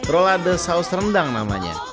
rolade saus rendang namanya